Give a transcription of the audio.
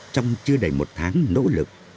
trong chưa đầy một tháng nỗ lực